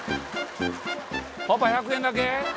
パパ１００円だけ？